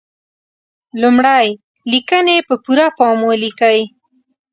لمړی: لیکنې په پوره پام ولیکئ.